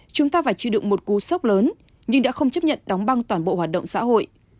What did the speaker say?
chúng ta phải chịu đựng một cú sốc lớn nhưng đã không chấp nhận đóng băng toàn bộ hoạt động xã hội